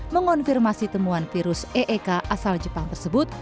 mengonfirmasi temuan virus e e k asal jepang tersebut